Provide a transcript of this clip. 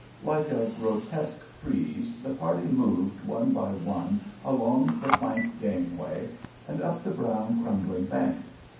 Like a grotesque frieze the party moved one by one along the plank gangway and up the brown crumbling bank.